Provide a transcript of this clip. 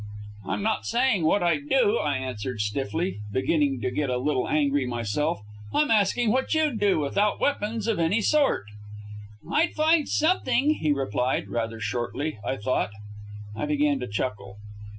"I'm not saying what I'd do," I answered stiffly, beginning to get a little angry myself. "I'm asking what you'd do, without weapons of any sort?" "I'd find something," he replied rather shortly, I thought. I began to chuckle.